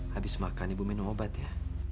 habis makan ibu minum obat ya